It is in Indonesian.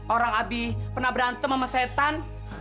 orang abi pernah berantem sama setan